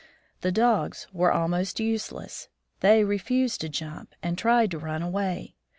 The dogs were almost useless ; they refused to jump, and tried to run away.